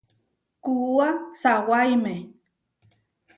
Kuúa sawáime.